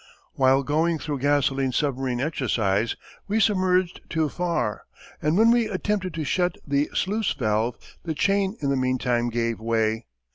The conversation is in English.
While going through gasoline submarine exercise, we submerged too far, and when we attempted to shut the sluice valve, the chain in the meantime gave way.